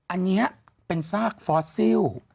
อันนี้เป็นซากฟอสซิล